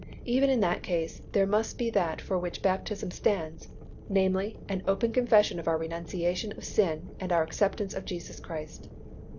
Even in that case, there must be that for which baptism stands, namely, an open confession of our renunciation of sin and our acceptance of Jesus Christ.